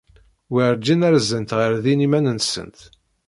Werǧin rzant ɣer din iman-nsent.